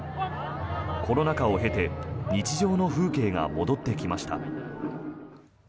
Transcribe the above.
コロナ禍を経て日常の風景が戻ってきました。